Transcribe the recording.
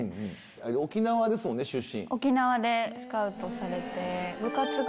沖縄ですよね出身。